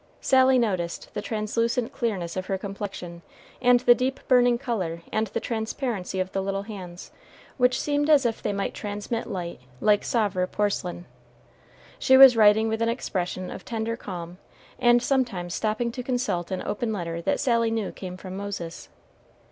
Sally noticed the translucent clearness of her complexion, and the deep burning color and the transparency of the little hands, which seemed as if they might transmit the light like Sèvres porcelain. She was writing with an expression of tender calm, and sometimes stopping to consult an open letter that Sally knew came from Moses.